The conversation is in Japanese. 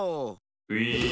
ウィーン。